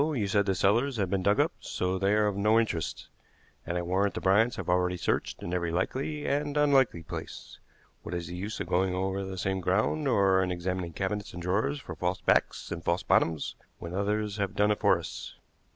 You said the cellars had been dug up, so they are of no interest, and I warrant the Bryants have already searched in every likely and unlikely place. What is the use of going over the same ground, or in examining cabinets and drawers for false backs and false bottoms, when others have done it for us?"